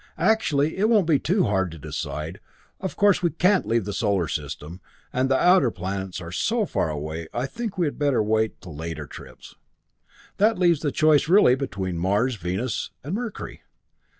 Actually, it won't be too hard to decide. Of course we can't leave the solar system. And the outer planets are so far away that I think we had better wait till later trips. That leaves the choice really between Mars, Venus, and Mercury.